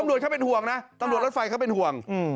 ตำรวจเขาเป็นห่วงนะตำรวจรถไฟเขาเป็นห่วง